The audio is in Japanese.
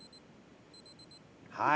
はい。